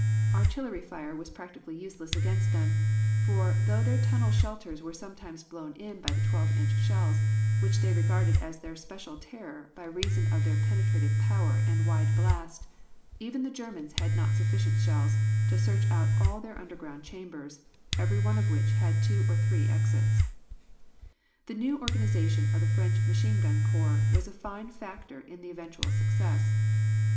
"Artillery fire was practically useless against them, for though their tunnel shelters were sometimes blown in by the twelve inch shells, which they regarded as their special terror by reason of their penetrative power and wide blast, even the Germans had not sufficient shells to search out all their underground chambers, every one of which have two or three exits. "The new organization of the French Machine gun Corps was a fine factor in the eventual success.